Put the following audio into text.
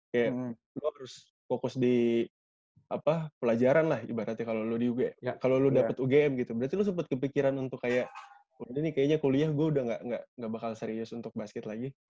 kayak lu harus fokus di pelajaran lah ibaratnya kalau lu dapet ugm gitu berarti lu sempet kepikiran untuk kayak udah nih kayaknya kuliah gue udah nggak bakal serius untuk basket lagi